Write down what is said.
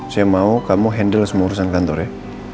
saya mau kamu handle semua urusan kantor ya